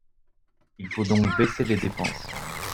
Il faut donc baisser les dépenses.